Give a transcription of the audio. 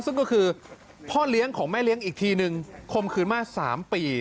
ซึ่งก็คือพ่อเลี้ยงของแม่เลี้ยงอีกทีนึงคมคืนมา๓ปี